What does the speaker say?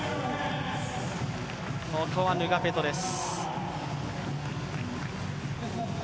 ここはヌガペトです。